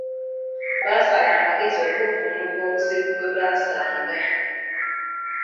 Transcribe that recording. Basala amagezi okuvvuunuka obuzibu bwe basanga.